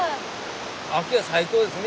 秋は最高ですね。